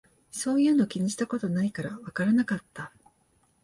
そういうの気にしたことないからわからなかった